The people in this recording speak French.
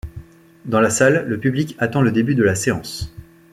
Dans la salle, le public attend le début de la séance.